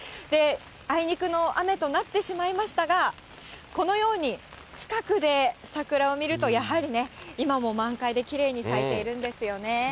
あいにくの雨となってしまいましたが、このように、近くで桜を見ると、やはりね、今も満開できれいに咲いているんですよね。